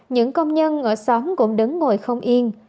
những công nhân ở xóm cũng đứng ngồi không yên